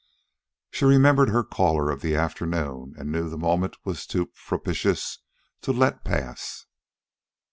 She remembered her caller of the afternoon, and knew the moment was too propitious to let pass.